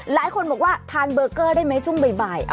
หลายคนบอกว่าทานเบอร์เกอร์ได้ไหมช่วงบ่าย